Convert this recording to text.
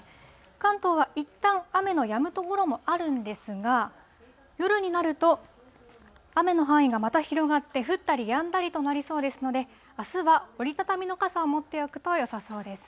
関東はいったん、雨のやむ所もあるんですが、夜になると、雨の範囲がまた広がって、降ったりやんだりとなりそうですので、あすは折り畳みの傘を持っておくとよさそうです。